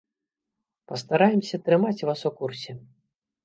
Пастараемся трымаць вас у курсе.